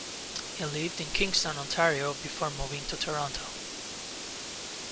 He lived in Kingston, Ontario, before moving to Toronto.